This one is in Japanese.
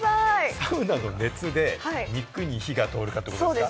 サウナーの熱で肉に火が通るかってことですか？